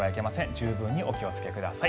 十分にお気をつけください。